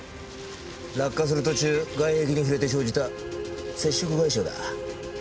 落下する途中外壁に触れて生じた接触外傷だ。